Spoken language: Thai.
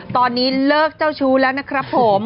ตอนนี้เลิกเจ้าชู้แล้วนะครับผม